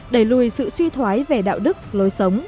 đẩy lùi sự suy thoái về đạo đức lối sống